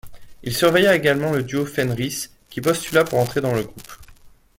Il surveilla également le duo Fenris, qui postula pour entrer dans le groupe.